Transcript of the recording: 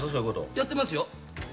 やってますよ。